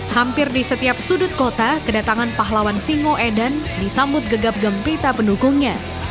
hampir di setiap sudut kota kedatangan pahlawan singoedan disambut gegap gempita pendukungnya